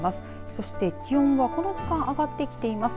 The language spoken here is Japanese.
そして気温はこの時間、上がってきています。